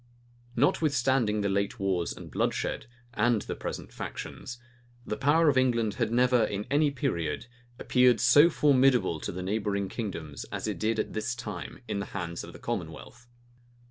Notwithstanding the late wars and bloodshed, and the present factions, the power of England had never, in any period, appeared so formidable to the neighboring kingdoms as it did at this time, in the hands of the commonwealth.